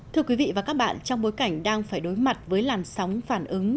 thưa quý vị và các bạn trong bối cảnh đang phải đối mặt với làn sóng phản ứng